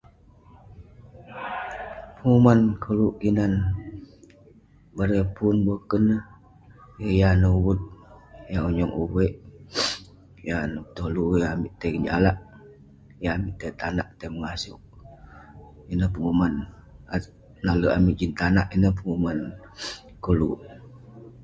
Penguman kolouk kinan, bareng pun boken, yeng aneh uvut, yeng uveik, yeng ane betolu, yeng amik tei ngejalak, yeng amik tei tanak, tei. [unintelligible] Ineh penguman nalek amik jin tei tong tanak, ineh penguman kolouk.